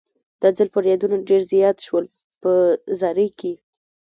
دا ځل فریادونه ډېر زیات شول په زارۍ کې.